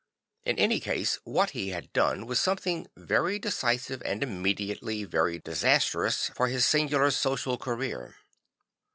In any case "That he had done was something very decisive and immediately very disastrous for his singular social career.